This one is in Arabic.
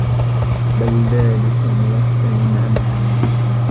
بَلْ ذَلِكَ مُنَفِّرٌ عَنْهَا